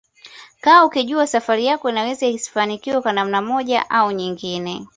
kaa ukijua safari yako inaweza isifanikiwe kwa namna moja au nyingine